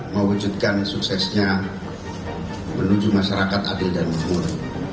mewujudkan suksesnya menuju masyarakat adil dan makmur